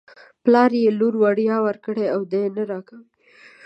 پلار یې لور وړيا ورکړې او دی یې نه راکوي.